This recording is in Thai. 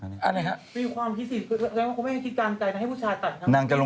มีความคิดสิคุณไม่มีคิดการใจ